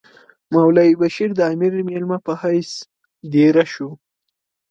مولوی بشیر د امیر مېلمه په حیث دېره شو.